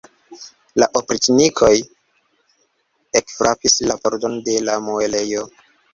La opriĉnikoj ekfrapis la pordon de la muelejo.